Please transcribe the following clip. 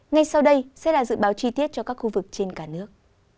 ngay sau đây sẽ là dự báo chi tiết cho các khu vực trên cả nước